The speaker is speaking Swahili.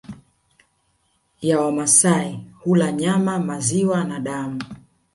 ya Wamasai hula nyama maziwa na damu